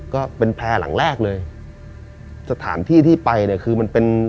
แพร่หลังแรกเลยสถานที่ที่ไปเนี่ยคือมันเป็น